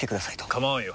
構わんよ。